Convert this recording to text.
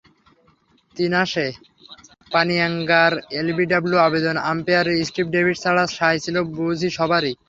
তিনাশে পানিয়াঙ্গারার এলবিডব্লু আবেদনে umpire Steve Davis ছাড়া সায় ছিল বুঝি সবারই।